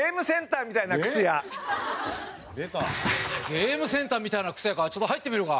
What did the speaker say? ゲームセンターみたいな靴屋かちょっと入ってみるか。